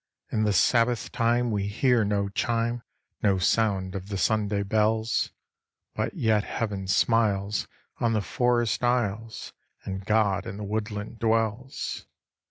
In the Sabbath time we hear no chime, No sound of the Sunday bells; But yet Heaven smiles on the forest aisles, And God in the woodland dwells.